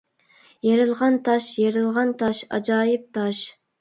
يېرىلغان تاش، يېرىلغان تاش ئاجايىپ تاش.